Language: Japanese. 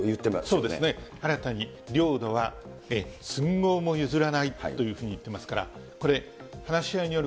そうですね、新たに領土は、寸毫も譲らないというふうに言ってますから、これ、話し合いによ